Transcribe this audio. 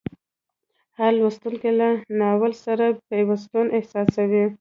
هر لوستونکی له ناول سره پیوستون احساسوي.